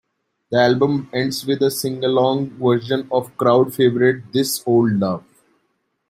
The album ends with a singalong version of crowd favourite 'This Old Love'.